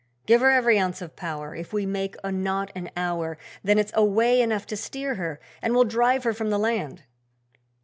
Give her every ounce of power, If we make a knot an hour Then it's way enough to steer her and we'll drive her from the land.'